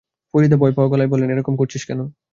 ফরিদা ভয়-পাওয়া গলায় বললেন, এরকম করছিস কেন?